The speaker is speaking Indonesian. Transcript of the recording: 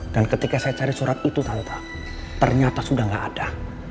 dan ketika saya cari surat itu tante ternyata sudah gak ada